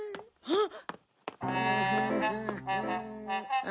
あっ！